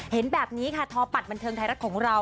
เห็นแบบนี้ค่ะทอปัดบันเทิงไทยรัฐของเรา